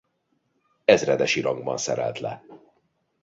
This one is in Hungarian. Ezredesi rangban szerelt le.